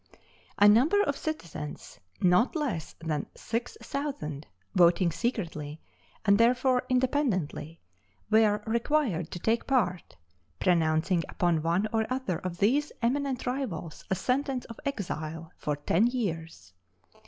A number of citizens, not less than six thousand, voting secretly, and therefore independently, were required to take part, pronouncing upon one or other of these eminent rivals a sentence of exile for ten years.